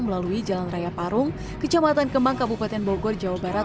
melalui jalan raya parung kecamatan kemang kabupaten bogor jawa barat